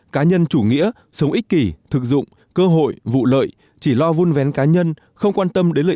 cá nhân chủ nghĩa sống ích kỷ thực dụng cơ hội vụ lợi chỉ lo vun vén cá nhân không quan tâm đến lợi